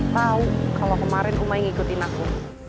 tahu kalau kemarin umai ngikutin aku